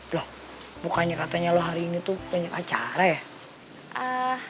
loh bukannya katanya loh hari ini tuh banyak acara ya